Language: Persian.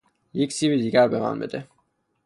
یک سیب دیگر به من بده.